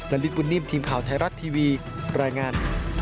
นาฬิปุ่นนิ่มทีมข่าวไทยรัชทีวีรายงาน